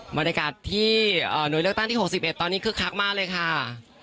บรรยากาศที่เอ่อหนุนเลือกตั้งที่หกสิบเอ็ดตอนนี้คือคลักมากเลยค่ะ